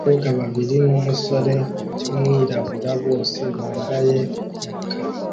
abakobwa babiri numusore wumwirabura bose bambaye umukara